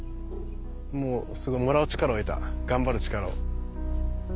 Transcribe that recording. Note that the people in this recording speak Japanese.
もうもらう力を得た頑張る力を。